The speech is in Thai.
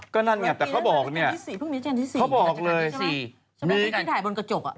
ก็นั่นไงแต่เขาบอกเนี่ยเขาบอกเลยมีที่ถ่ายบนกระจก